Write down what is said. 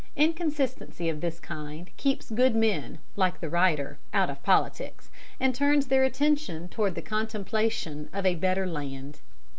Inconsistency of this kind keeps good men, like the writer, out of politics, and turns their attention toward the contemplation of a better land.